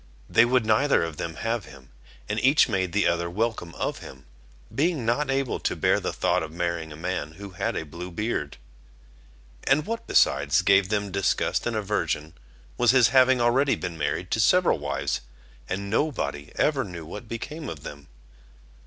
They would neither of them have him, and each made the other welcome of him, being not able to bear the thought of marrying a man who had a blue beard. And what besides gave them disgust and aversion, was his having already been married to several wives, and nobody ever knew what became of them.